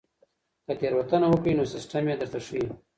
که تېروتنه وکړئ نو سیستم یې درته ښيي.